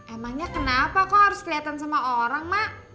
emangnya kenapa kok harus kelihatan sama orang mak